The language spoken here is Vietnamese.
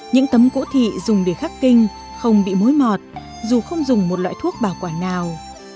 những tấm cu thị dùng để khắc kinh không bị mối mọt dù không dùng một loại thuốc bảo quản nào